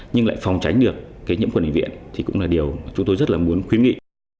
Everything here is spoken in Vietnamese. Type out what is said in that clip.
nhưng lại phòng tránh được nhiễm khuẩn bệnh viện thì cũng là điều chúng tôi rất muốn khuyến nghị